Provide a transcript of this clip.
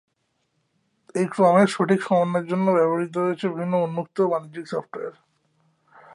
এই ক্রমের সঠিক সমন্বয়ের জন্য ব্যবহৃত হয়েছে বিভিন্ন উন্মুক্ত এবং বাণিজ্যিক সফটওয়ার।